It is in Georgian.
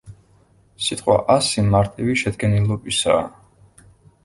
სიტყვა „ასი“ მარტივი შედგენილობისაა.